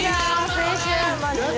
青春まじで。